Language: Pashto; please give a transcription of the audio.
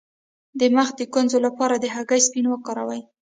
د مخ د ګونځو لپاره د هګۍ سپین وکاروئ